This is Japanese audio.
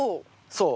そう。